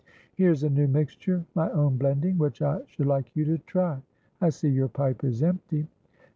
"Here's a new mixture, my own blending, which I should like you to try. I see your pipe is empty."